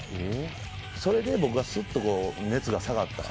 それで僕がすっと熱が下がった。